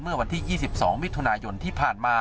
เมื่อวันที่๒๒มิถุนายนที่ผ่านมา